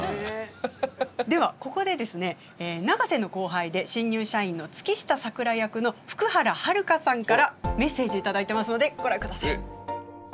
ではここでですね永瀬の後輩で新入社員の月下咲良役の福原遥さんからメッセージ頂いてますのでご覧ください。